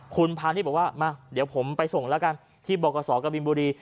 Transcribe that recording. คุณพานี่บอกว่าเดี๋ยวผมไปส่งแล้วกันที่เบาะกาศอกับบินบุรี